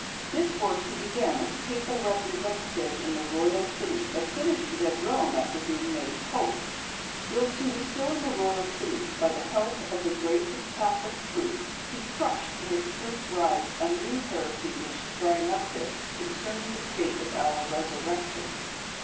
This work he began as papal representative in the royal city, but finished it at Rome after being made pope. Whilst he was still in the royal city, by the help of the grace of Catholic truth, he crushed in its first rise a new heresy which sprang up there, concerning the state of our resurrection.